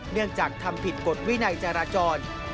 เนื่องจากทำผิดกฎวินัยจราจร